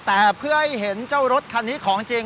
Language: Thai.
แต่เพื่อให้เห็นเจ้ารถคันนี้ของจริง